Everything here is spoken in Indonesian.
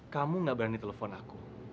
kamu gak berani telepon aku